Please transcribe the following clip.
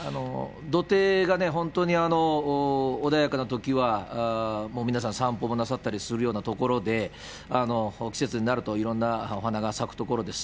土手がね、本当に穏やかなときは、もう皆さん、散歩もなさったりするような所で、季節になると、いろんなお花が咲く所です。